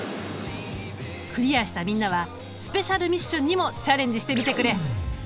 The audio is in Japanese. クリアしたみんなはスペシャルミッションにもチャレンジしてみてくれ。